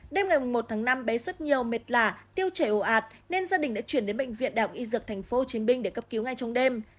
đêm ngày một tháng năm bé xuất nhiều mệt lả tiêu chảy ồ ạt nên gia đình đã chuyển đến bệnh viện đảo y dược tp hcm để cấp cứu ngay trong đêm